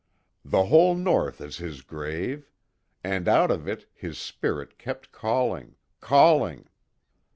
The whole North is his grave. And out of it, his spirit kept calling calling.